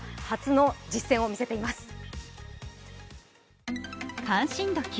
初の実戦を見せています。